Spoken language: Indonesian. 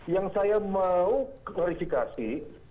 yang saya mau klarifikasi